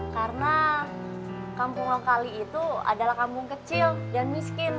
karena kampung ngokali itu adalah kampung kecil dan miskin